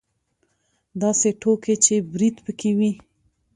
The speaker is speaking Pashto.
داسې ټوکې چې برید پکې وي.